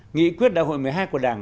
nghị quyết đại hội một mươi hai của đảng